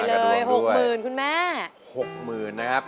ร้องได้ร้องได้